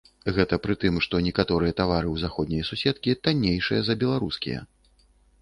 Гэта пры тым, што некаторыя тавары ў заходняй суседкі таннейшыя за беларускія.